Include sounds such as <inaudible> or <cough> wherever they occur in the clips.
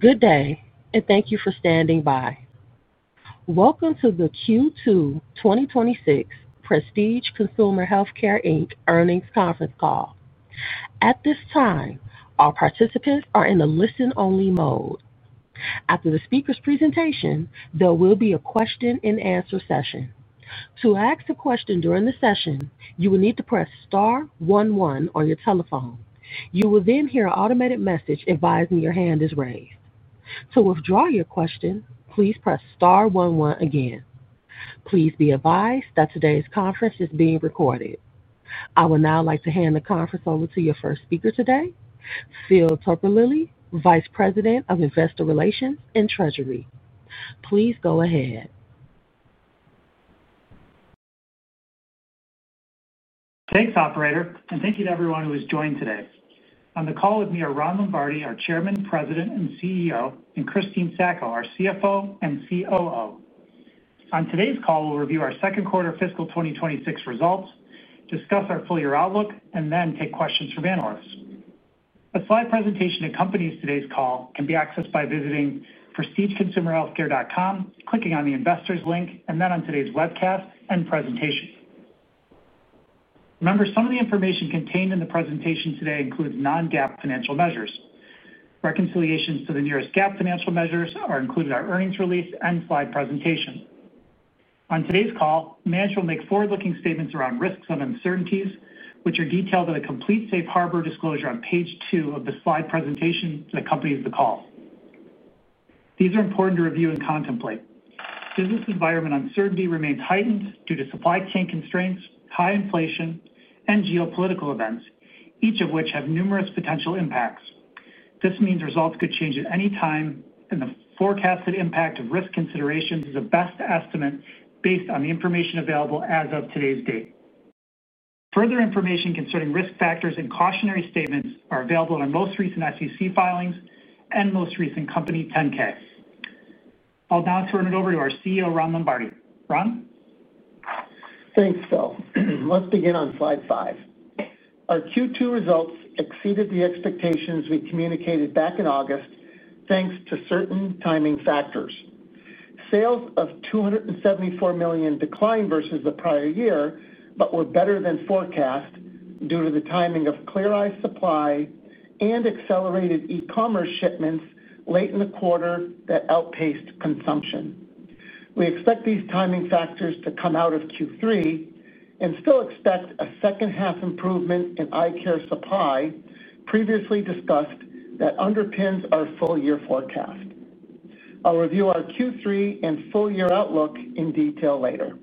Good day, and thank you for standing by. Welcome to the Q2 2026 Prestige Consumer Healthcare Inc earnings conference call. At this time, our participants are in the listen-only mode. After the speaker's presentation, there will be a question-and-answer session. To ask a question during the session, you will need to press Star 1-1 on your telephone. You will then hear an automated message advising your hand is raised. To withdraw your question, please press Star one one again. Please be advised that today's conference is being recorded. I would now like to hand the conference over to your first speaker today, Phil Terpolilli, Vice President of Investor Relations and Treasury. Please go ahead. Thanks, Operator. Thank you to everyone who has joined today. On the call with me are Ron Lombardi, our Chairman, President, and CEO, and Christine Sacco, our CFO and COO. On today's call, we'll review our second-quarter fiscal 2026 results, discuss our full-year outlook, and then take questions from analysts. A slide presentation accompanies today's call. It can be accessed by visiting prestigeconsumerhealthcare.com, clicking on the Investors link, and then on today's webcast and presentation. Remember, some of the information contained in the presentation today includes non-GAAP financial measures. Reconciliations to the nearest GAAP financial measures are included in our earnings release and slide presentation. On today's call, management will make forward-looking statements around risks and uncertainties, which are detailed in a complete safe harbor disclosure on page two of the slide presentation that accompanies the call. These are important to review and contemplate. Business environment uncertainty remains heightened due to supply chain constraints, high inflation, and geopolitical events, each of which has numerous potential impacts. This means results could change at any time, and the forecasted impact of risk considerations is the best estimate based on the information available as of today's date. Further information concerning risk factors and cautionary statements is available in our most recent SEC filings and most recent Company 10-K. I'll now turn it over to our CEO, Ron Lombardi. Ron? Thanks, Phil. Let's begin on slide five. Our Q2 results exceeded the expectations we communicated back in August, thanks to certain timing factors. Sales of $274 million declined versus the prior year, but were better than forecast due to the timing of Clear Eyes supply and accelerated e-commerce shipments late in the quarter that outpaced consumption. We expect these timing factors to come out of Q3. We still expect a second-half improvement in eye care supply, previously discussed, that underpins our full-year forecast. I'll review our Q3 and full-year outlook in detail later.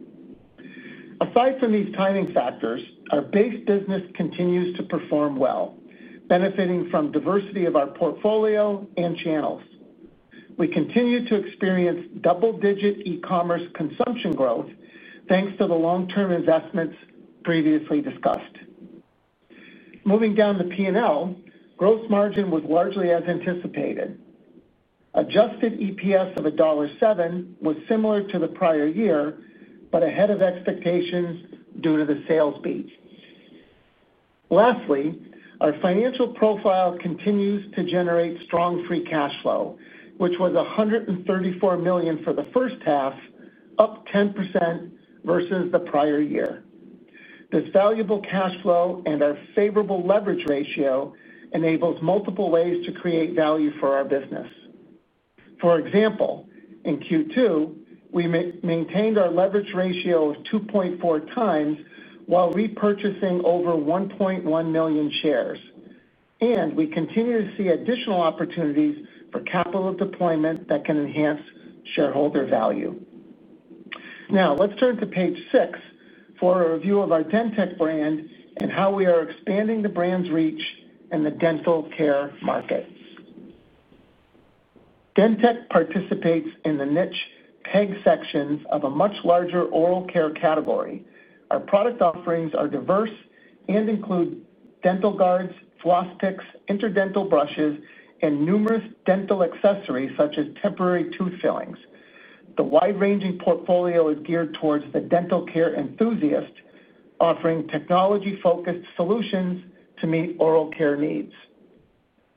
Aside from these timing factors, our base business continues to perform well, benefiting from diversity of our portfolio and channels. We continue to experience double-digit e-commerce consumption growth, thanks to the long-term investments previously discussed. Moving down the P&L, gross margin was largely as anticipated. Adjusted EPS of $1.07 was similar to the prior year, but ahead of expectations due to the sales beat. Lastly, our financial profile continues to generate strong free cash flow, which was $134 million for the first half, up 10% versus the prior year. This valuable cash flow and our favorable leverage ratio enables multiple ways to create value for our business. For example, in Q2, we maintained our leverage ratio of 2.4x while repurchasing over 1.1 million shares. We continue to see additional opportunities for capital deployment that can enhance shareholder value. Now, let's turn to page six for a review of our DenTek brand and how we are expanding the brand's reach in the dental care market. DenTek participates in the niche peg sections of a much larger oral care category. Our product offerings are diverse and include dental guards, floss picks, interdental brushes, and numerous dental accessories such as temporary tooth fillings. The wide-ranging portfolio is geared towards the dental care enthusiast, offering technology-focused solutions to meet oral care needs.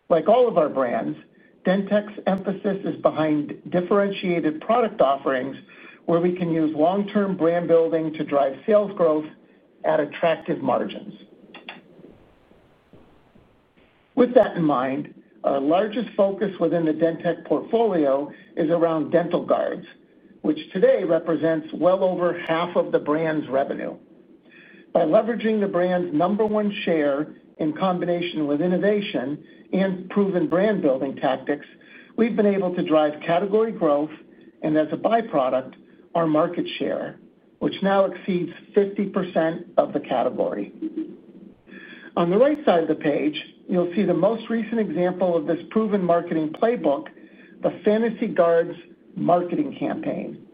Like all of our brands, DenTek's emphasis is behind differentiated product offerings where we can use long-term brand building to drive sales growth at attractive margins. With that in mind, our largest focus within the DenTek portfolio is around dental guards, which today represents well over half of the brand's revenue. By leveraging the brand's number one share in combination with innovation and proven brand-building tactics, we've been able to drive category growth and, as a byproduct, our market share, which now exceeds 50% of the category. On the right side of the page, you'll see the most recent example of this proven marketing playbook, the Fantasy Guards marketing campaign.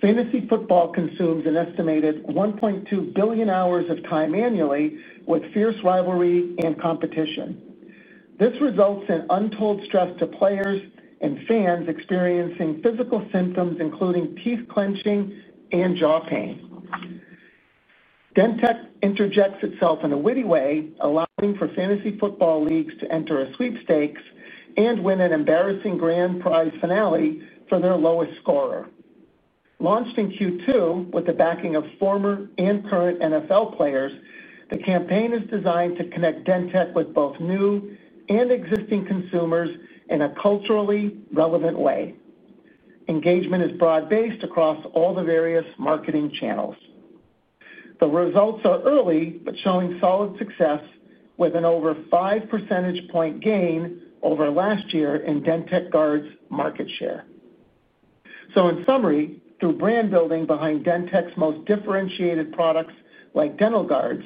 Fantasy football consumes an estimated 1.2 billion hours of time annually with fierce rivalry and competition. This results in untold stress to players and fans experiencing physical symptoms including teeth clenching and jaw pain. DenTek interjects itself in a witty way, allowing for fantasy football leagues to enter a sweepstakes and win an embarrassing grand prize finale for their lowest scorer. Launched in Q2 with the backing of former and current NFL players, the campaign is designed to connect DenTek with both new and existing consumers in a culturally relevant way. Engagement is broad-based across all the various marketing channels. The results are early but showing solid success, with an over 5 percentage point gain over last year in DenTek Guards' market share. In summary, through brand building behind DenTek's most differentiated products like dental guards,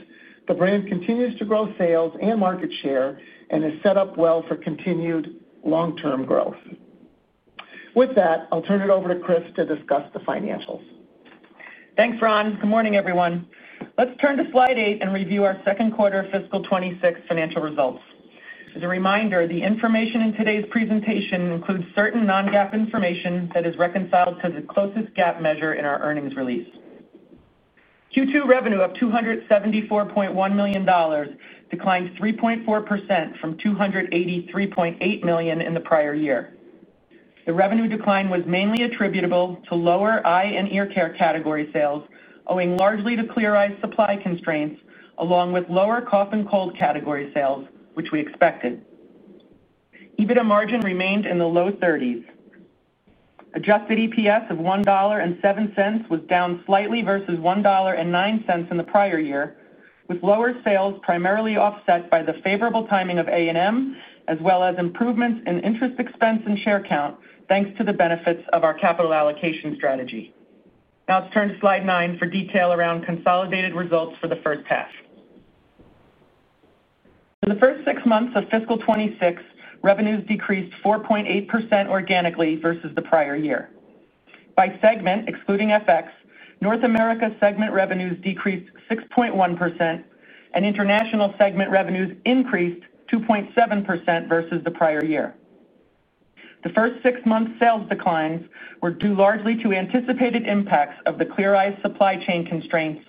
the brand continues to grow sales and market share and is set up well for continued long-term growth. With that, I'll turn it over to Chris to discuss the financials. Thanks, Ron. Good morning, everyone. Let's turn to slide eight and review our second quarter fiscal 2026 financial results. As a reminder, the information in today's presentation includes certain non-GAAP information that is reconciled to the closest GAAP measure in our earnings release. Q2 revenue of $274.1 million declined 3.4% from $283.8 million in the prior year. The revenue decline was mainly attributable to lower eye and ear care category sales, owing largely to Clear Eyes supply constraints, along with lower cough and cold category sales, which we expected. EBITDA margin remained in the low 30s. Adjusted EPS of $1.07 was down slightly versus $1.09 in the prior year, with lower sales primarily offset by the favorable timing of A&M, as well as improvements in interest expense and share count, thanks to the benefits of our capital allocation strategy. Now, let's turn to slide nine for detail around consolidated results for the first half. In the first six months of fiscal 2026, revenues decreased 4.8% organically versus the prior year. By segment, excluding FX, North America segment revenues decreased 6.1%, and international segment revenues increased 2.7% versus the prior year. The first six months' sales declines were due largely to anticipated impacts of the Clear Eyes supply chain constraints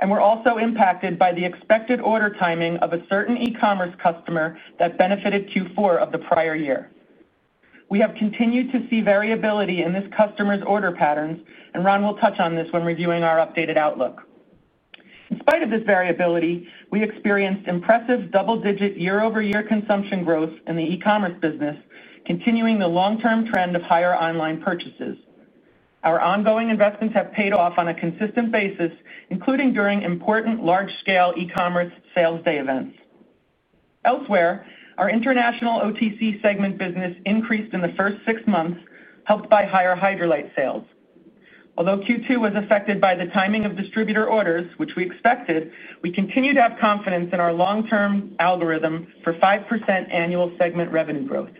and were also impacted by the expected order timing of a certain e-commerce customer that benefited Q4 of the prior year. We have continued to see variability in this customer's order patterns, and Ron will touch on this when reviewing our updated outlook. In spite of this variability, we experienced impressive double-digit year-over-year consumption growth in the e-commerce business, continuing the long-term trend of higher online purchases. Our ongoing investments have paid off on a consistent basis, including during important large-scale e-commerce sales day events. Elsewhere, our international OTC segment business increased in the first six months, helped by higher Hydralyte sales. Although Q2 was affected by the timing of distributor orders, which we expected, we continue to have confidence in our long-term algorithm for 5% annual segment revenue growth.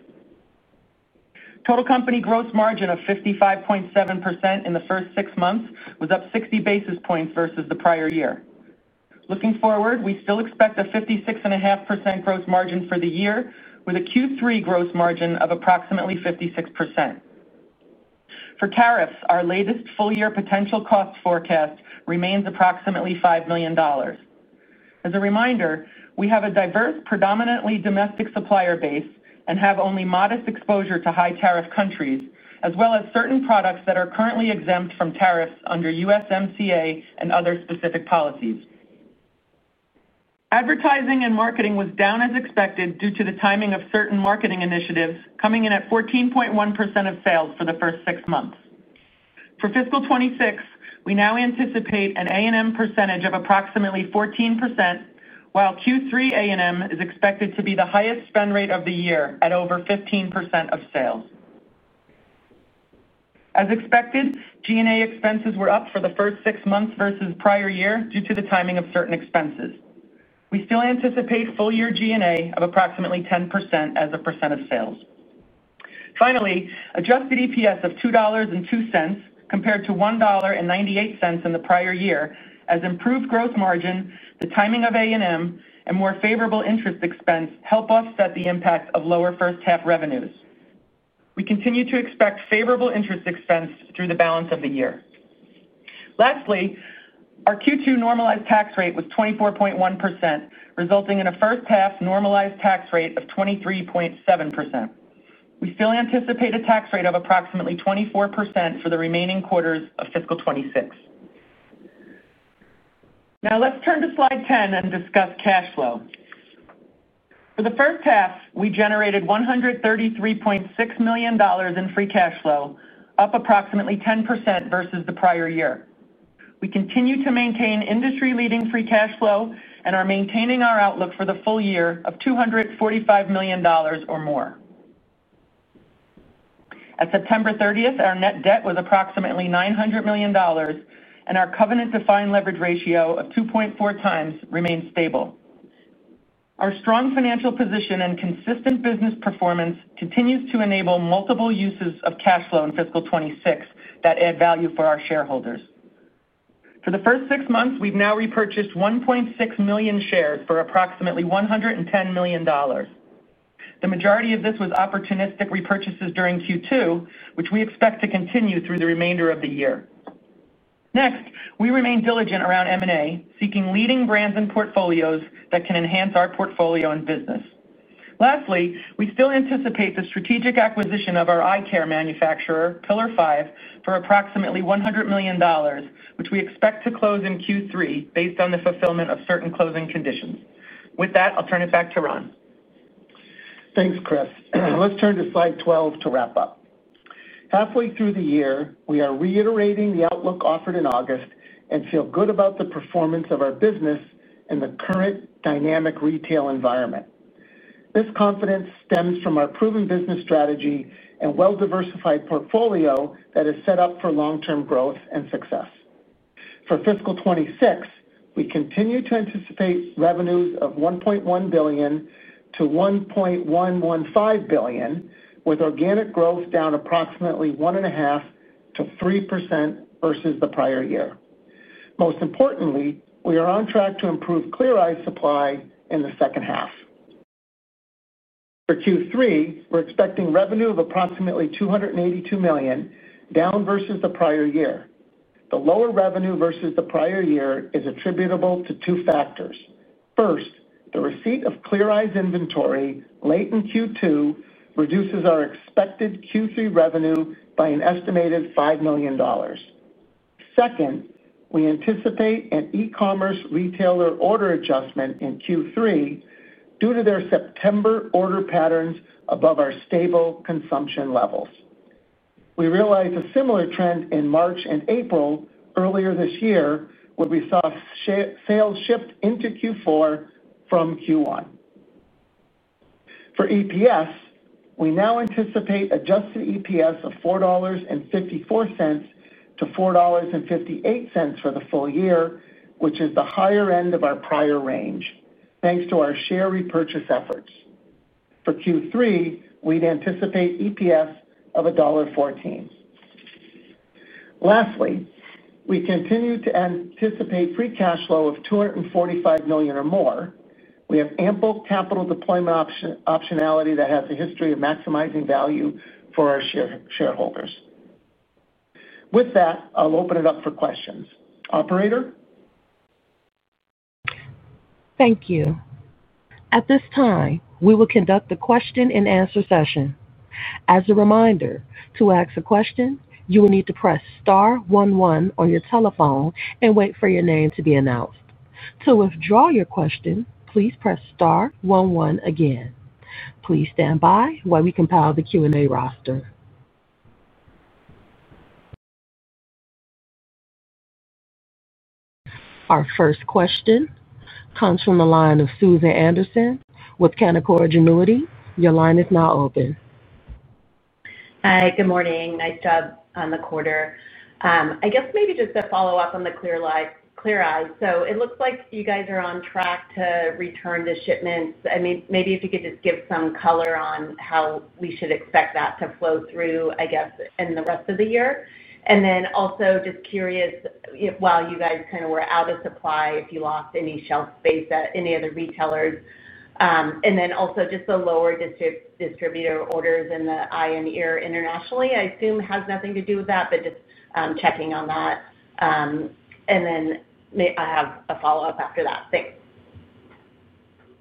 Total company gross margin of 55.7% in the first six months was up 60 basis points versus the prior year. Looking forward, we still expect a 56.5% gross margin for the year, with a Q3 gross margin of approximately 56%. For tariffs, our latest full-year potential cost forecast remains approximately $5 million. As a reminder, we have a diverse, predominantly domestic supplier base and have only modest exposure to high-tariff countries, as well as certain products that are currently exempt from tariffs under USMCA and other specific policies. Advertising and marketing was down as expected due to the timing of certain marketing initiatives, coming in at 14.1% of sales for the first six months. For fiscal 2026, we now anticipate an A&M percentage of approximately 14%, while Q3 A&M is expected to be the highest spend rate of the year at over 15% of sales. As expected, G&A expenses were up for the first six months versus the prior year due to the timing of certain expenses. We still anticipate full-year G&A of approximately 10% as a percent of sales. Finally, adjusted EPS of $2.02 compared to $1.98 in the prior year, as improved gross margin, the timing of A&M, and more favorable interest expense help offset the impact of lower first-half revenues. We continue to expect favorable interest expense through the balance of the year. Lastly, our Q2 normalized tax rate was 24.1%, resulting in a first-half normalized tax rate of 23.7%. We still anticipate a tax rate of approximately 24% for the remaining quarters of fiscal 2026. Now, let's turn to slide 10 and discuss cash flow. For the first half, we generated $133.6 million in free cash flow, up approximately 10% versus the prior year. We continue to maintain industry-leading free cash flow and are maintaining our outlook for the full year of $245 million or more. At September 30th, our net debt was approximately $900 million, and our covenant-defined leverage ratio of 2.4x remained stable. Our strong financial position and consistent business performance continue to enable multiple uses of cash flow in fiscal 2026 that add value for our shareholders. For the first six months, we've now repurchased 1.6 million shares for approximately $110 million. The majority of this was opportunistic repurchases during Q2, which we expect to continue through the remainder of the year. Next, we remain diligent around M&A, seeking leading brands and portfolios that can enhance our portfolio and business. Lastly, we still anticipate the strategic acquisition of our eye care manufacturer, Pillar5, for approximately $100 million, which we expect to close in Q3 based on the fulfillment of certain closing conditions. With that, I'll turn it back to Ron. Thanks, Chris. Let's turn to slide 12 to wrap up. Halfway through the year, we are reiterating the outlook offered in August and feel good about the performance of our business in the current dynamic retail environment. This confidence stems from our proven business strategy and well-diversified portfolio that is set up for long-term growth and success. For fiscal 2026, we continue to anticipate revenues of $1.1 billion-$1.115 billion, with organic growth down approximately 1.5%-3% versus the prior year. Most importantly, we are on track to improve Clear Eyes supply in the second half. For Q3, we're expecting revenue of approximately $282 million, down versus the prior year. The lower revenue versus the prior year is attributable to two factors. First, the receipt of Clear Eyes inventory late in Q2 reduces our expected Q3 revenue by an estimated $5 million. Second, we anticipate an e-commerce retailer order adjustment in Q3 due to their September order patterns above our stable consumption levels. We realized a similar trend in March and April earlier this year when we saw sales shift into Q4 from Q1. For EPS, we now anticipate adjusted EPS of $4.54-$4.58 for the full year, which is the higher end of our prior range, thanks to our share repurchase efforts. For Q3, we'd anticipate EPS of $1.14. Lastly, we continue to anticipate free cash flow of $245 million or more. We have ample capital deployment optionality that has a history of maximizing value for our shareholders. With that, I'll open it up for questions. Operator? Thank you. At this time, we will conduct the question-and-answer session. As a reminder, to ask a question, you will need to press star one one on your telephone and wait for your name to be announced. To withdraw your question, please press star one one again. Please stand by while we compile the Q&A roster. Our first question comes from the line of Susan Anderson with Canaccord Genuity. Your line is now open. Hi. Good morning. Nice job on the quarter. I guess maybe just a follow-up on the Clear Eyes. It looks like you guys are on track to return the shipments. Maybe if you could just give some color on how we should expect that to flow through, I guess, in the rest of the year. Also, just curious, while you guys kind of were out of supply, if you lost any shelf space at any other retailers. Also, the lower distributor orders in the eye and ear internationally, I assume has nothing to do with that, but just checking on that. I have a follow-up after that. Thanks.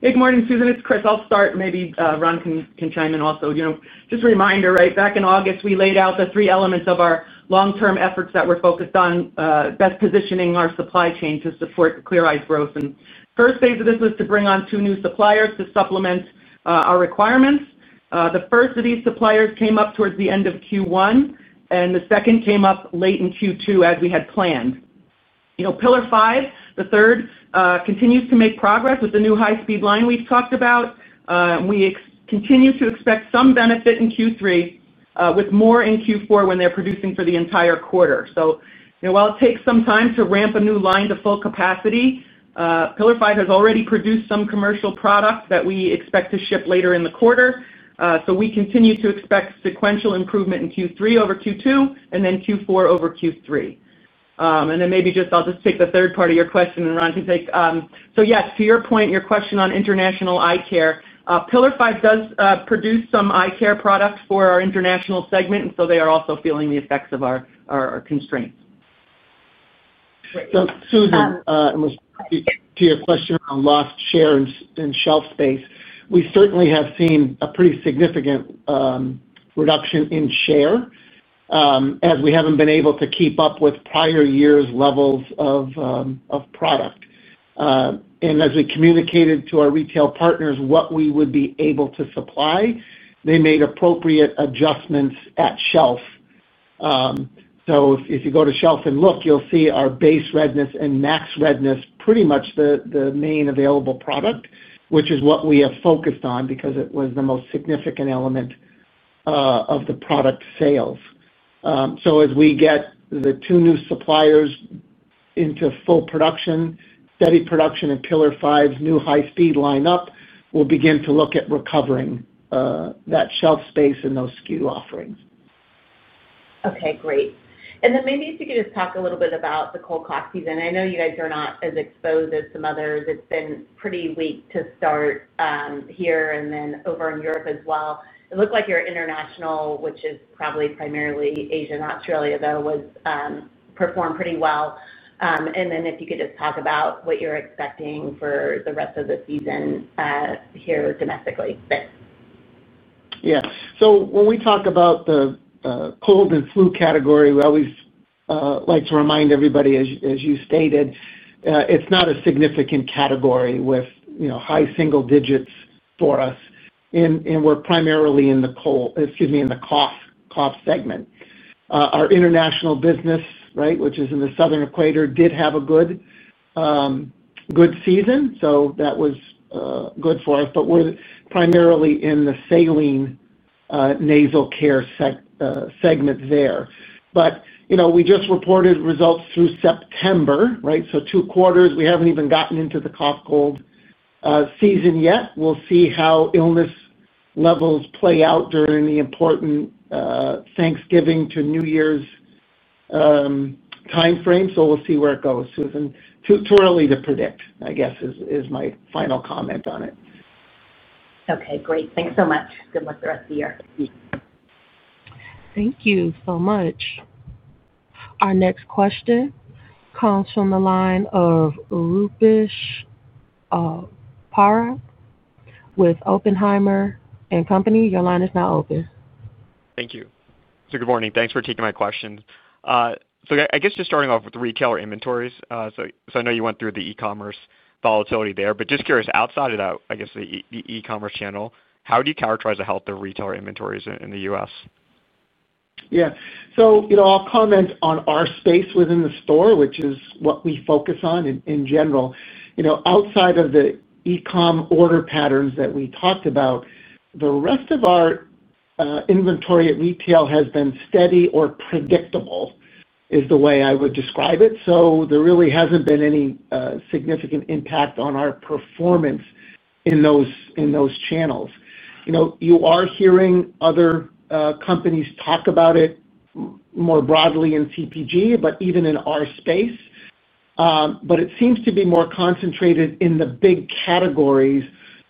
Good morning, Susan. It's Chris. I'll start. Maybe Ron can chime in also. Just a reminder, right? Back in August, we laid out the three elements of our long-term efforts that we're focused on, best positioning our supply chain to support Clear Eyes growth. The first phase of this was to bring on two new suppliers to supplement our requirements. The first of these suppliers came up towards the end of Q1, and the second came up late in Q2 as we had planned. Pillar5, the third, continues to make progress with the new high-speed line we've talked about. We continue to expect some benefit in Q3, with more in Q4 when they're producing for the entire quarter. While it takes some time to ramp a new line to full capacity, Pillar5 has already produced some commercial products that we expect to ship later in the quarter. We continue to expect sequential improvement in Q3 over Q2 and then Q4 over Q3. Maybe I'll just take the third part of your question, and Ron can take—yes, to your point, your question on international eye care, Pillar5 does produce some eye care products for our international segment, and so they are also feeling the effects of our constraints. Susan, to your question on lost share and shelf space, we certainly have seen a pretty significant reduction in share as we haven't been able to keep up with prior year's levels of product. As we communicated to our retail partners what we would be able to supply, they made appropriate adjustments at shelf. If you go to shelf and look, you'll see our base readiness and max readiness, pretty much the main available product, which is what we have focused on because it was the most significant element of the product sales. As we get the two new suppliers into full production, steady production, and Pillar5's new high-speed lineup, we'll begin to look at recovering that shelf space and those SKU offerings. Okay. Great. Maybe if you could just talk a little bit about the cold cough season. I know you guys are not as exposed as some others. It's been pretty weak to start here and then over in Europe as well. It looked like your international, which is probably primarily Asia and Australia, though, performed pretty well. If you could just talk about what you're expecting for the rest of the season here domestically, thanks. Yeah. So when we talk about the cold and flu category, we always like to remind everybody, as you stated, it's not a significant category with high single digits for us. And we're primarily in the cold, excuse me, in the cough segment. Our international business, right, which is in the southern equator, did have a good season, so that was good for us. But we're primarily in the saline nasal care segment there. But we just reported results through September, right? So two quarters. We haven't even gotten into the cough, cold season yet. We'll see how illness levels play out during the important Thanksgiving to New Year's timeframe. So we'll see where it goes, Susan. Too early to predict, I guess, is my final comment on it. Okay. Great. Thanks so much. Good luck the rest of the year. Thank you so much. Our next question comes from the line of Rupesh Parikh with Oppenheimer & Co. Your line is now open. Thank you. Good morning. Thanks for taking my questions. I guess just starting off with the retailer inventories, I know you went through the e-commerce volatility there, but just curious, outside of that, I guess, the e-commerce channel, how do you characterize the health of retailer inventories in the U.S.? Yeah. I'll comment on our space within the store, which is what we focus on in general. Outside of the e-com order patterns that we talked about, the rest of our inventory at retail has been steady or predictable is the way I would describe it. There really hasn't been any significant impact on our performance in those channels. You are hearing other companies talk about it more broadly in CPG, even in our space. It seems to be more concentrated in the big categories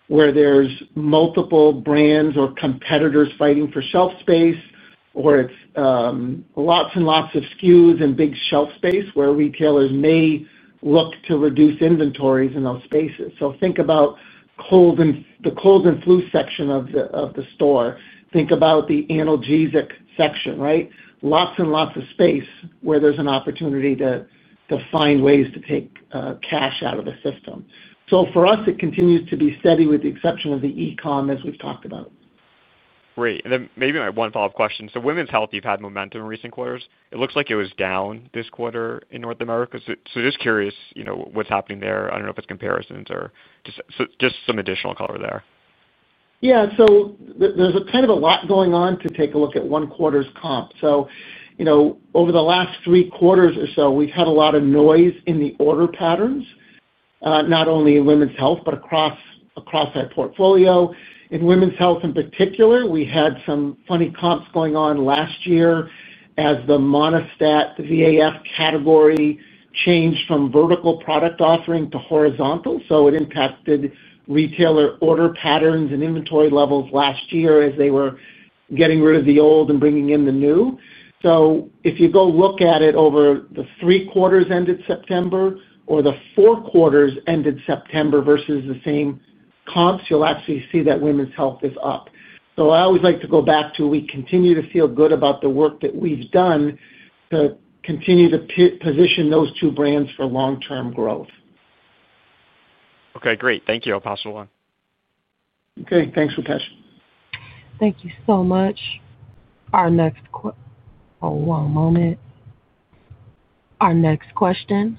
where there are multiple brands or competitors fighting for shelf space, or it's lots and lots of SKUs and big shelf space where retailers may look to reduce inventories in those spaces. Think about the cold and flu section of the store. Think about the analgesic section, right? Lots and lots of space where there's an opportunity to find ways to take cash out of the system. For us, it continues to be steady with the exception of the e-com as we've talked about. Great. Maybe my one follow-up question. Women's health, you've had momentum in recent quarters. It looks like it was down this quarter in North America. Just curious what's happening there. I don't know if it's comparisons or just some additional color there. Yeah. So there's kind of a lot going on. Take a look at one quarter's comp. Over the last three quarters or so, we've had a lot of noise in the order patterns, not only in women's health, but across that portfolio. In women's health in particular, we had some funny comps going on last year as the Monistat, the VAF category changed from vertical product offering to horizontal. It impacted retailer order patterns and inventory levels last year as they were getting rid of the old and bringing in the new. If you go look at it over the three quarters ended September or the four quarters ended September versus the same comps, you'll actually see that women's health is up. I always like to go back to we continue to feel good about the work that we've done to continue to position those two brands for long-term growth. Okay. Great. Thank you. I'll pass it along. Okay. Thanks, Rupesh. Thank you so much. Our next question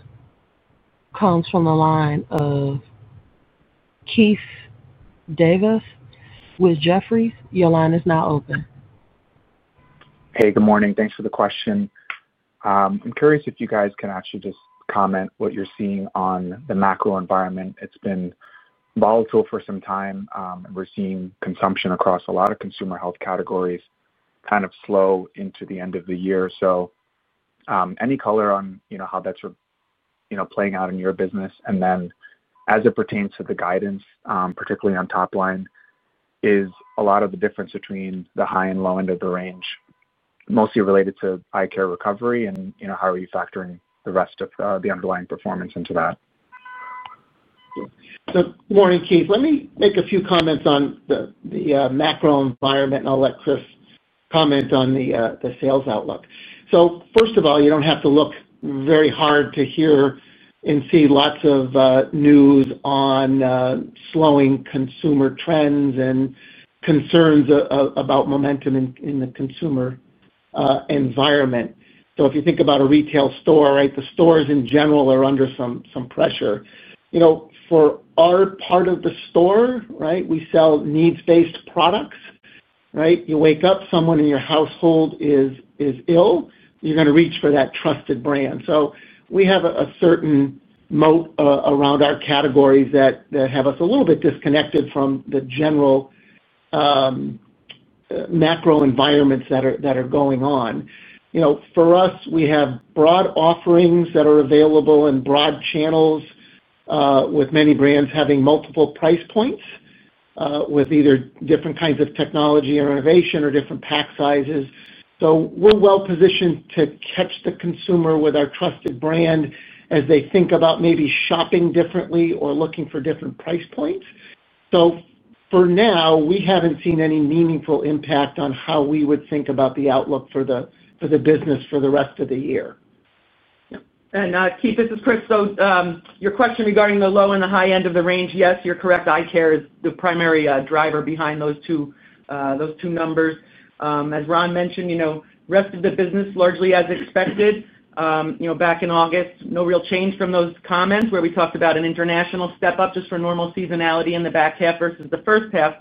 comes from the line of Keith Devas with Jefferies. Your line is now open. Hey, good morning. Thanks for the question. I'm curious if you guys can actually just comment what you're seeing on the macro environment. It's been volatile for some time, and we're seeing consumption across a lot of consumer health categories kind of slow into the end of the year. Any color on how that's playing out in your business? And then as it pertains to the guidance, particularly on top line, is a lot of the difference between the high and low end of the range mostly related to eye care recovery, and how are you factoring the rest of the underlying performance into that? Good morning, Keith. Let me make a few comments on the macro environment and I'll let Chris comment on the sales outlook. First of all, you don't have to look very hard to hear and see lots of news on slowing consumer trends and concerns about momentum in the consumer environment. If you think about a retail store, the stores in general are under some pressure. For our part of the store, we sell needs-based products. You wake up, someone in your household is ill, you're going to reach for that trusted brand. We have a certain moat around our categories that have us a little bit disconnected from the general macro environments that are going on. For us, we have broad offerings that are available in broad channels, with many brands having multiple price points. With either different kinds of technology or innovation or different pack sizes. We are well positioned to catch the consumer with our trusted brand as they think about maybe shopping differently or looking for different price points. For now, we have not seen any meaningful impact on how we would think about the outlook for the business for the rest of the year. Keith, this is Chris. Your question regarding the low and the high end of the range, yes, you're correct. Eye care is the primary driver behind those two numbers. As Ron mentioned, the rest of the business largely as expected. Back in August, no real change from those comments where we talked about an international step up just for normal seasonality in the back half versus the first half.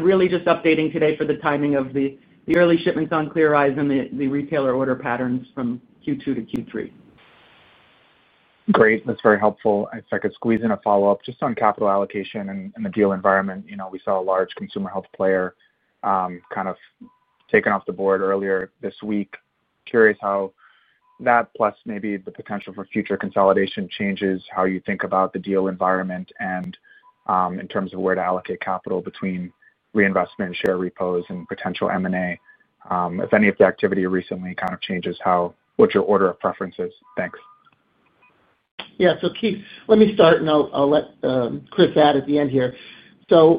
Really just updating today for the timing of the early shipments on Clear Eyes and the retailer order patterns from Q2 to Q3. Great. That's very helpful. If I could squeeze in a follow-up just on capital allocation and the deal environment, we saw a large consumer health player kind of taken off the board earlier this week. Curious how that plus maybe the potential for future consolidation changes how you think about the deal environment. In terms of where to allocate capital between reinvestment, share repos, and potential M&A, if any of the activity recently kind of changes, what's your order of preferences? Thanks. Yeah. Keith, let me start, and I'll let Chris add at the end here.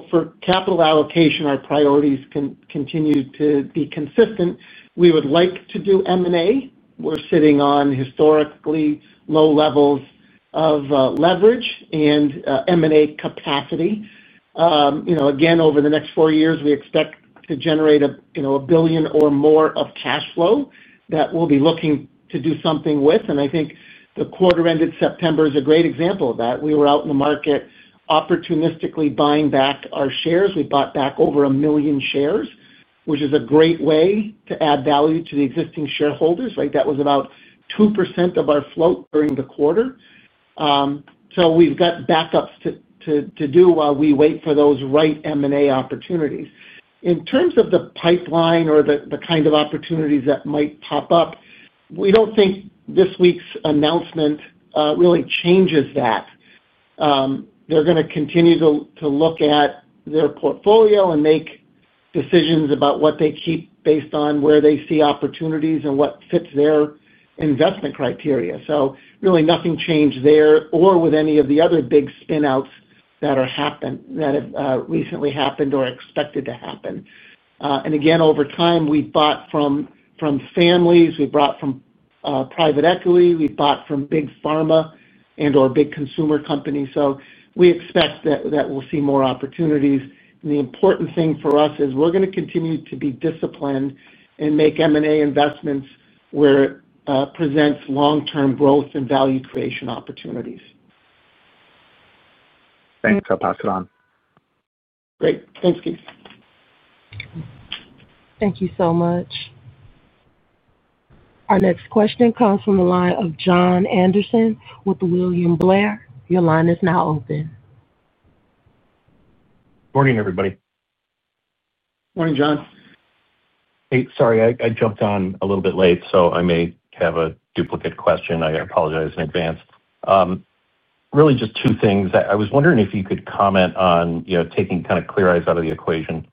For capital allocation, our priorities continue to be consistent. We would like to do M&A. We're sitting on historically low levels of leverage and M&A capacity. Again, over the next four years, we expect to generate $1 billion or more of cash flow that we'll be looking to do something with. I think the quarter ended September is a great example of that. We were out in the market opportunistically buying back our shares. We bought back over 1 million shares, which is a great way to add value to the existing shareholders, right? That was about 2% of our float during the quarter. We've got backups to do while we wait for those right M&A opportunities. In terms of the pipeline or the kind of opportunities that might pop up, we do not think this week's announcement really changes that. They are going to continue to look at their portfolio and make decisions about what they keep based on where they see opportunities and what fits their investment criteria. Really nothing changed there or with any of the other big spinouts that have recently happened or are expected to happen. Over time, we bought from families, we bought from private equity, we bought from big pharma and/or big consumer companies. We expect that we will see more opportunities. The important thing for us is we are going to continue to be disciplined and make M&A investments where it presents long-term growth and value creation opportunities. Thanks. I'll pass it on. Great. Thanks, Keith. Thank you so much. Our next question comes from the line of Jon Andersen with William Blair. Your line is now open. Morning, everybody. Morning, Jon. Hey, sorry. I jumped on a little bit late, so I may have a duplicate question. I apologize in advance. Really just two things. I was wondering if you could comment on taking kind of Clear Eyes out of the equation,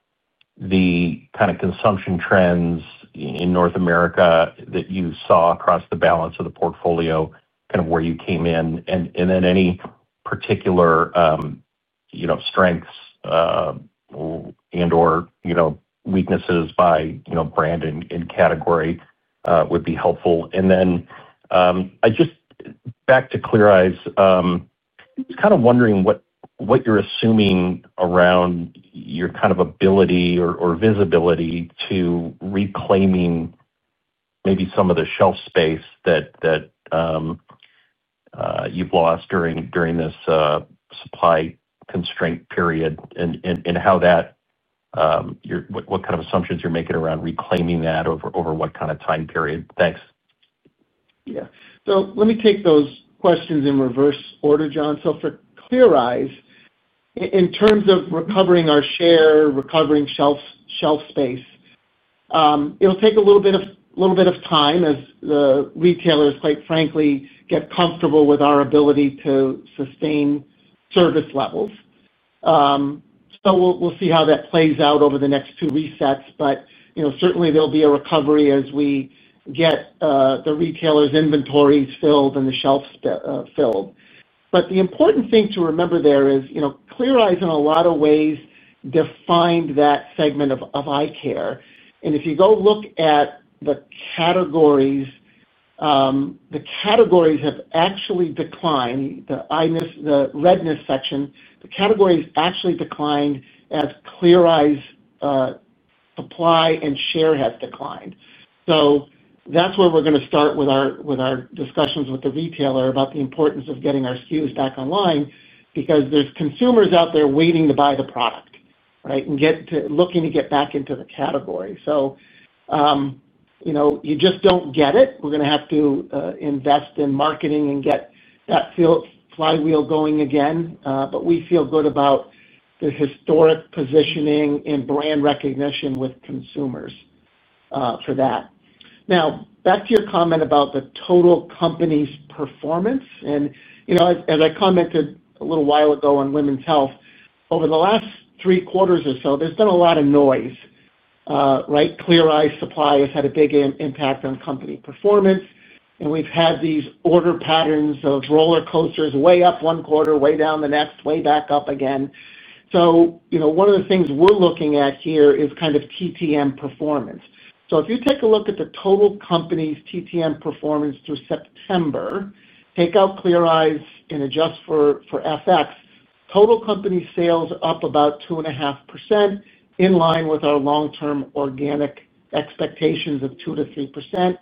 the kind of consumption trends in North America that you saw across the balance of the portfolio, kind of where you came in, and then any particular strengths and/or weaknesses by brand and category would be helpful. And then back to Clear Eyes. Just kind of wondering what you're assuming around your kind of ability or visibility to reclaiming maybe some of the shelf space that you've lost during this supply constraint period and what kind of assumptions you're making around reclaiming that over what kind of time period. Thanks. Yeah. Let me take those questions in reverse order, Jon. For Clear Eyes, in terms of recovering our share, recovering shelf space, it'll take a little bit of time as the retailers, quite frankly, get comfortable with our ability to sustain service levels. We'll see how that plays out over the next two resets, but certainly there'll be a recovery as we get the retailers' inventories filled and the shelves filled. The important thing to remember there is Clear Eyes, in a lot of ways, defined that segment of eye care. If you go look at the categories, the categories have actually declined. The redness section, the categories actually declined as Clear Eyes supply and share have declined. That's where we're going to start with our discussions with the retailer about the importance of getting our SKUs back online because there's consumers out there waiting to buy the product, right, and looking to get back into the category. You just don't get it. We're going to have to invest in marketing and get that flywheel going again. We feel good about the historic positioning and brand recognition with consumers for that. Now, back to your comment about the total company's performance. As I commented a little while ago on women's health, over the last three quarters or so, there's been a lot of noise, right? Clear Eyes supply has had a big impact on company performance. We've had these order patterns of roller coasters, way up one quarter, way down the next, way back up again. One of the things we're looking at here is kind of TTM performance. If you take a look at the total company's TTM performance through September, take out Clear Eyes and adjust for FX, total company sales are up about 2.5% in line with our long-term organic expectations of 2%-3%.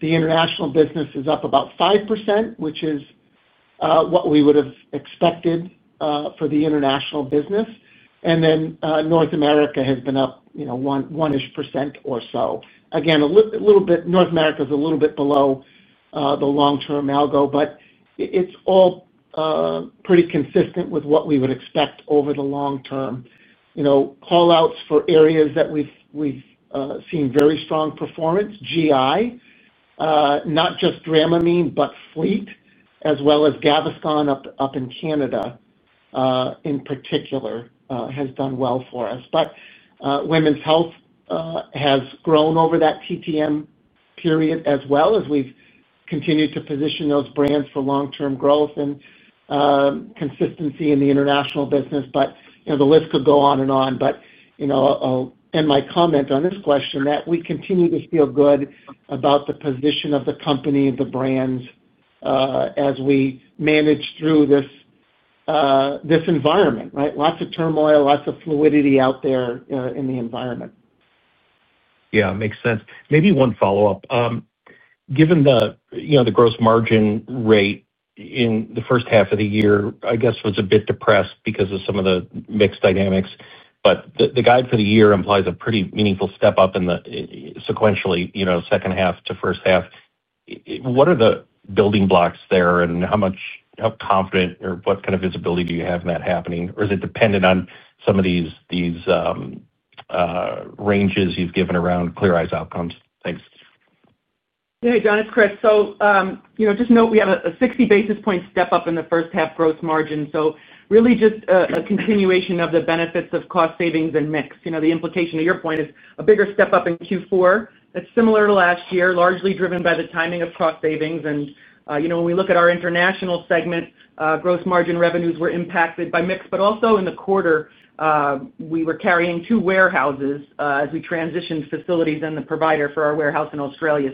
The international business is up about 5%, which is what we would have expected for the international business. North America has been up one-ish percent or so. Again, North America is a little bit below the long-term algo, but it's all pretty consistent with what we would expect over the long term. Callouts for areas that we've seen very strong performance: GI. Not just Dramamine, but Fleet, as well as Gaviscon up in Canada in particular, has done well for us. Women's health has grown over that TTM period as well, as we've continued to position those brands for long-term growth and consistency in the international business. The list could go on and on. I'll end my comment on this question that we continue to feel good about the position of the company and the brands as we manage through this environment, right? Lots of turmoil, lots of fluidity out there in the environment. Yeah. Makes sense. Maybe one follow-up. Given the gross margin rate in the first half of the year, I guess, was a bit depressed because of some of the mix dynamics. The guide for the year implies a pretty meaningful step up sequentially second half to first half. What are the building blocks there and how confident or what kind of visibility do you have in that happening? Is it dependent on some of these ranges you've given around Clear Eyes outcomes? Thanks. Hey, Jon, it's Chris. Just note we have a 60 basis point step up in the first half gross margin. Really just a continuation of the benefits of cost savings and mix. The implication to your point is a bigger step up in Q4. It's similar to last year, largely driven by the timing of cost savings. When we look at our international segment, gross margin revenues were impacted by mix. Also in the quarter, we were carrying two warehouses as we transitioned facilities and the provider for our warehouse in Australia.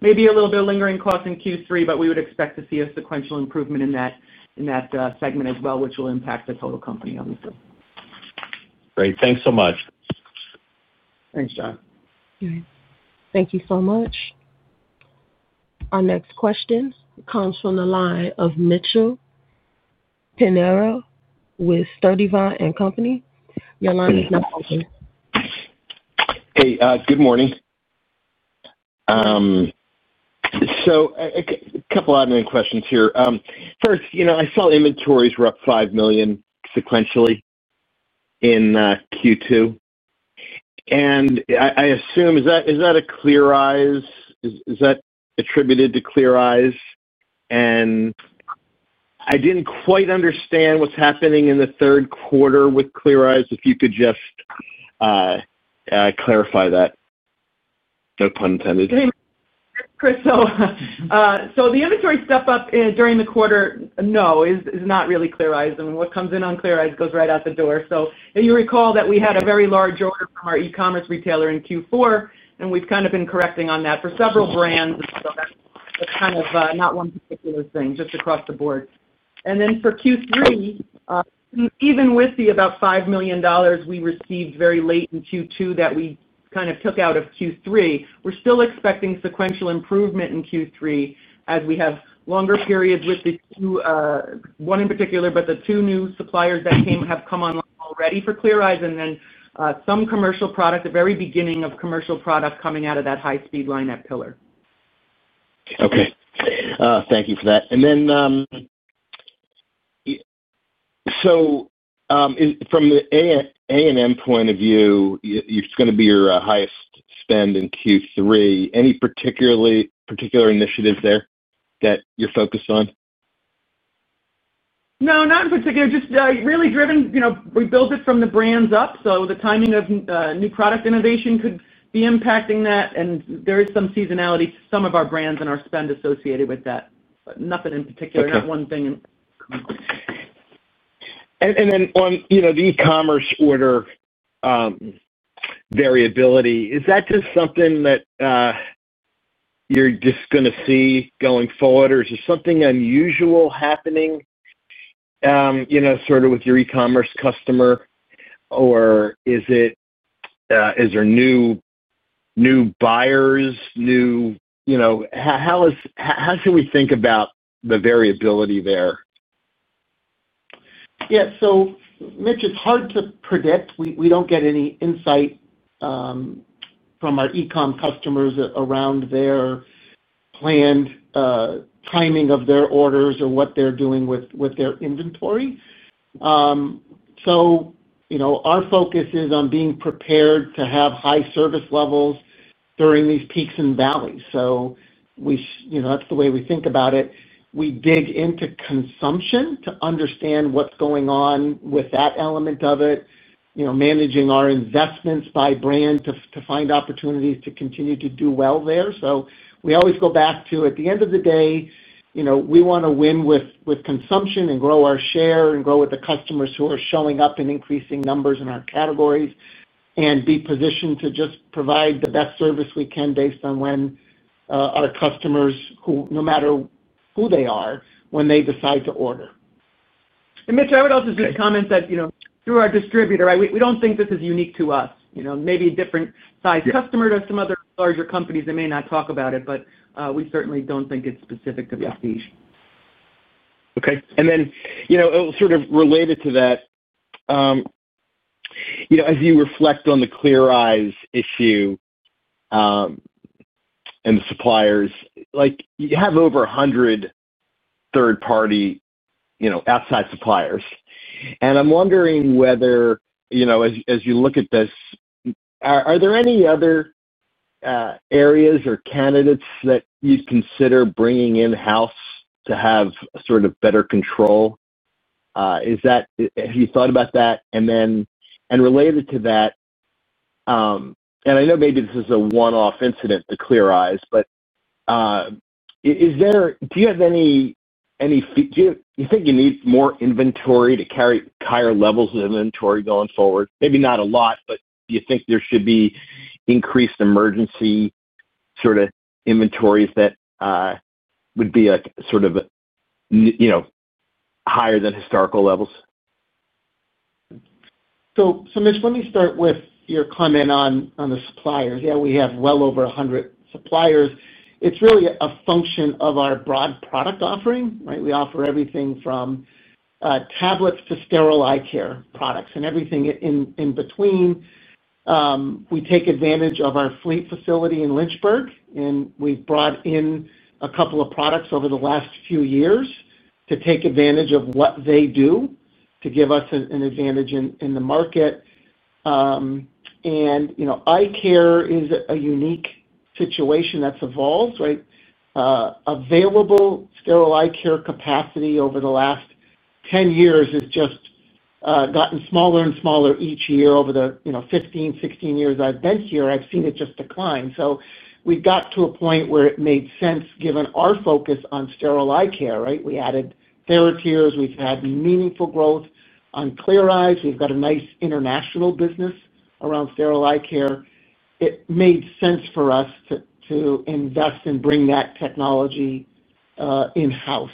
Maybe a little bit of lingering cost in Q3, but we would expect to see a sequential improvement in that segment as well, which will impact the total company obviously. Great. Thanks so much. Thanks, Jon. Thank you so much. Our next question comes from the line of Mitchell Pinheiro with Sturdivant & Co. Your line is now open. Hey, good morning. A couple of admin questions here. First, I saw inventories were up $5 million sequentially in Q2. I assume, is that Clear Eyes? Is that attributed to Clear Eyes? I did not quite understand what is happening in the third quarter with Clear Eyes, if you could just clarify that. No pun intended. Chris, so the inventory step up during the quarter, no, is not really Clear Eyes. What comes in on Clear Eyes goes right out the door. You recall that we had a very large order from our e-commerce retailer in Q4, and we've kind of been correcting on that for several brands. That's kind of not one particular thing, just across the board. For Q3, even with the about $5 million we received very late in Q2 that we kind of took out of Q3, we're still expecting sequential improvement in Q3 as we have longer periods with the, one in particular, but the two new suppliers that have come online already for Clear Eyes and then some commercial product, the very beginning of commercial product coming out of that high-speed line at Pillar. Okay. Thank you for that. From the A&M point of view, it's going to be your highest spend in Q3. Any particular initiatives there that you're focused on? No, not in particular. Just really driven, we build it from the brands up. The timing of new product innovation could be impacting that. There is some seasonality to some of our brands and our spend associated with that. Nothing in particular, not one thing. On the e-commerce order variability, is that just something that you're just going to see going forward, or is there something unusual happening? Sort of with your e-commerce customer, or is it new buyers? How can we think about the variability there? Yeah. Mitch, it's hard to predict. We don't get any insight from our e-com customers around their planned timing of their orders or what they're doing with their inventory. Our focus is on being prepared to have high service levels during these peaks and valleys. That's the way we think about it. We dig into consumption to understand what's going on with that element of it, managing our investments by brand to find opportunities to continue to do well there. We always go back to, at the end of the day, we want to win with consumption and grow our share and grow with the customers who are showing up in increasing numbers in our categories and be positioned to just provide the best service we can based on when our customers, no matter who they are, when they decide to order. Mitch, I would also just comment that through our distributor, we do not think this is unique to us. Maybe a different size customer to some other larger companies, they may not talk about it, but we certainly do not think it is specific to the. <audio distortion> Okay. And then sort of related to that. As you reflect on the Clear Eyes issue, and the suppliers, you have over 100 third-party outside suppliers. I'm wondering whether, as you look at this, are there any other areas or candidates that you'd consider bringing in-house to have sort of better control? Have you thought about that? Related to that, I know maybe this is a one-off incident to Clear Eyes, but do you have any, do you think you need more inventory to carry higher levels of inventory going forward? Maybe not a lot, but do you think there should be increased emergency sort of inventories that would be sort of higher than historical levels? Mitch, let me start with your comment on the suppliers. Yeah, we have well over 100 suppliers. It's really a function of our broad product offering, right? We offer everything from tablets to sterile eye care products and everything in between. We take advantage of our Fleet facility in Lynchburg, and we've brought in a couple of products over the last few years to take advantage of what they do to give us an advantage in the market. Eye care is a unique situation that's evolved, right? Available sterile eye care capacity over the last 10 years has just gotten smaller and smaller each year. Over the 15, 16 years I've been here, I've seen it just decline. We got to a point where it made sense given our focus on sterile eye care, right? We added TheraTears. We've had meaningful growth on Clear Eyes. We've got a nice international business around sterile eye care. It made sense for us to invest and bring that technology in-house.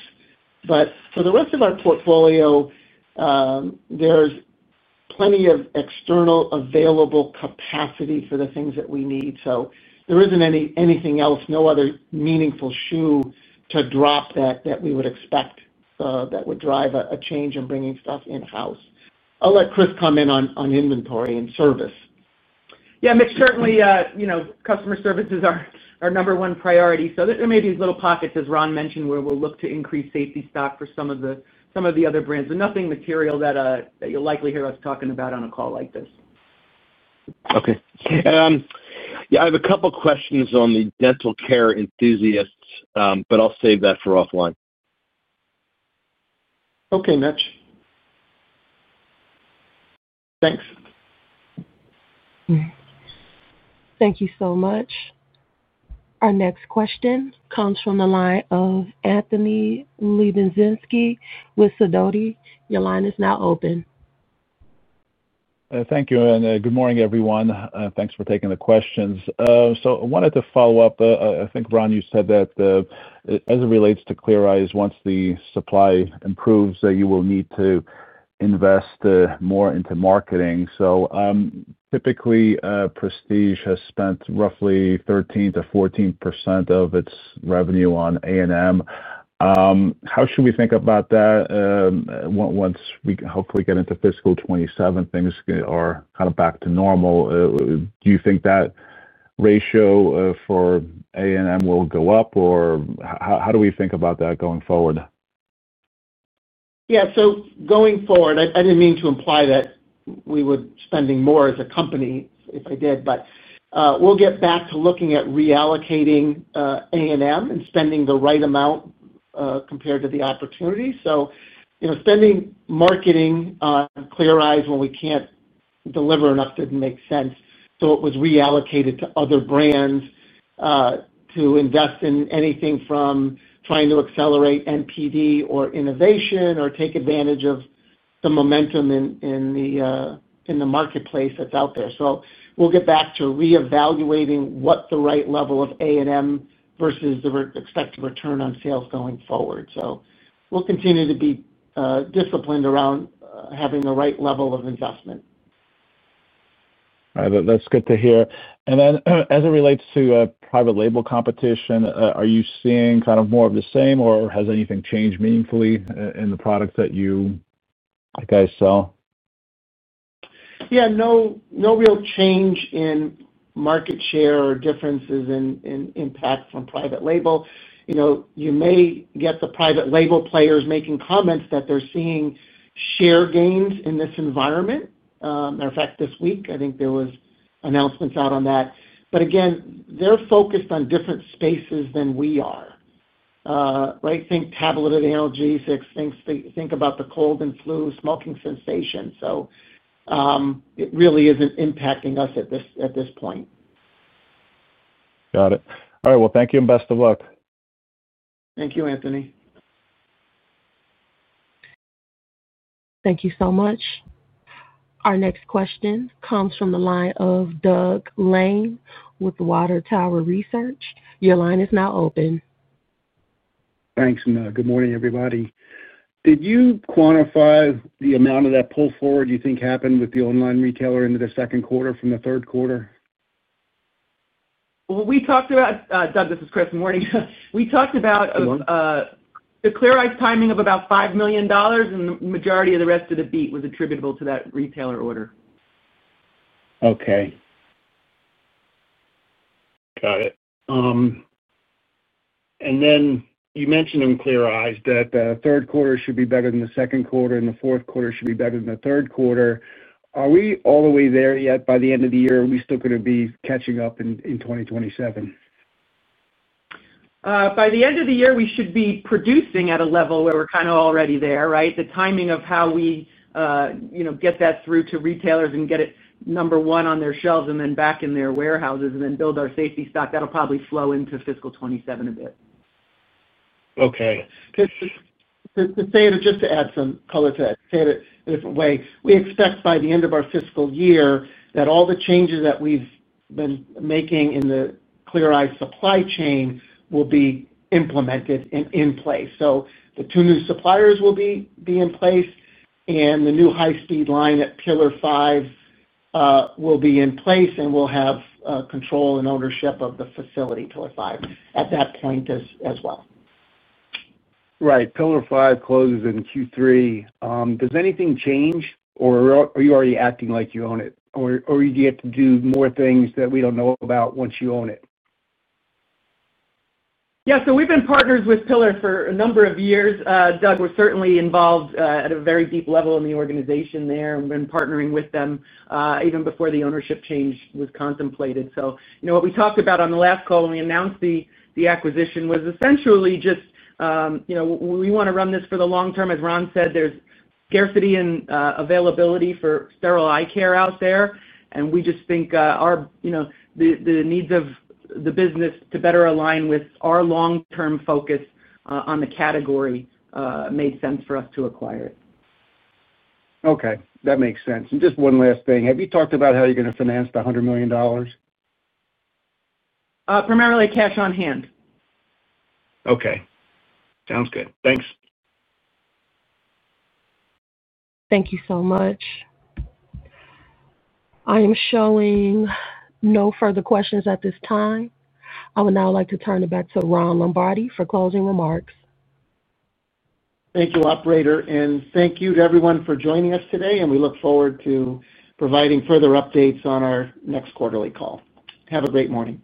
For the rest of our portfolio, there's plenty of external available capacity for the things that we need. There isn't anything else, no other meaningful shoe to drop that we would expect that would drive a change in bringing stuff in-house. I'll let Chris come in on inventory and service. Yeah, Mitch, certainly customer services are our number one priority. There may be little pockets, as Ron mentioned, where we'll look to increase safety stock for some of the other brands. Nothing material that you'll likely hear us talking about on a call like this. Okay. Yeah, I have a couple of questions on the dental care enthusiasts, but I'll save that for offline. Okay, Mitch. Thanks. Thank you so much. Our next question comes from the line of Anthony Lebiedzinski with Sidoti. Your line is now open. Thank you. Good morning, everyone. Thanks for taking the questions. I wanted to follow up. I think, Ron, you said that as it relates to Clear Eyes, once the supply improves, you will need to invest more into marketing. Typically, Prestige has spent roughly 13%-14% of its revenue on A&M. How should we think about that once we hopefully get into fiscal 2027? Things are kind of back to normal. Do you think that ratio for A&M will go up, or how do we think about that going forward? Yeah. Going forward, I didn't mean to imply that we would be spending more as a company if I did, but we'll get back to looking at reallocating A&M and spending the right amount compared to the opportunity. Spending marketing on Clear Eyes when we can't deliver enough didn't make sense. It was reallocated to other brands to invest in anything from trying to accelerate NPD or innovation or take advantage of the momentum in the marketplace that's out there. We'll get back to reevaluating what the right level of A&M versus the expected return on sales going forward. We'll continue to be disciplined around having the right level of investment. That's good to hear. As it relates to private label competition, are you seeing kind of more of the same, or has anything changed meaningfully in the products that you guys sell? Yeah. No real change in market share or differences in impact from private label. You may get the private label players making comments that they're seeing share gains in this environment. Matter of fact, this week, I think there were announcements out on that. Again, they're focused on different spaces than we are. Right? Think tablet analgesics, think about the cold and flu, smoking cessation. It really isn't impacting us at this point. Got it. All right. Thank you and best of luck. Thank you, Anthony. Thank you so much. Our next question comes from the line of Doug Lane with Water Tower Research. Your line is now open. Thanks. Good morning, everybody. Did you quantify the amount of that pull forward you think happened with the online retailer into the second quarter from the third quarter? We talked about Doug, this is Chris. Good morning. We talked about the Clear Eyes timing of about $5 million, and the majority of the rest of the beat was attributable to that retailer order. Okay. Got it. You mentioned in Clear Eyes that the third quarter should be better than the second quarter and the fourth quarter should be better than the third quarter. Are we all the way there yet by the end of the year, or are we still going to be catching up in 2027? By the end of the year, we should be producing at a level where we're kind of already there, right? The timing of how we get that through to retailers and get it number one on their shelves and then back in their warehouses and then build our safety stock, that'll probably flow into fiscal 2027 a bit. Okay. To say it or just to add some color to it, say it a different way, we expect by the end of our fiscal year that all the changes that we've been making in the Clear Eyes supply chain will be implemented in place. The two new suppliers will be in place, and the new high-speed line at Pillar5 will be in place, and we'll have control and ownership of the facility, Pillar5, at that point as well. Right. Pillar5 closes in Q3. Does anything change, or are you already acting like you own it? Or do you get to do more things that we don't know about once you own it? Yeah. We have been partners with Pillar for a number of years. Doug was certainly involved at a very deep level in the organization there, and we have been partnering with them even before the ownership change was contemplated. What we talked about on the last call when we announced the acquisition was essentially just that we want to run this for the long term. As Ron said, there is scarcity and availability for sterile eye care out there, and we just think the needs of the business to better align with our long-term focus on the category made sense for us to acquire it. Okay. That makes sense. Just one last thing. Have you talked about how you're going to finance the $100 million? Primarily cash on hand. Okay. Sounds good. Thanks. Thank you so much. I am showing no further questions at this time. I would now like to turn it back to Ron Lombardi for closing remarks. Thank you, operator. Thank you to everyone for joining us today, and we look forward to providing further updates on our next quarterly call. Have a great morning.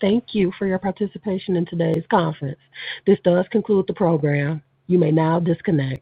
Thank you for your participation in today's conference. This does conclude the program. You may now disconnect.